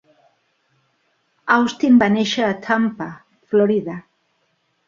Austin va néixer a Tampa, Florida.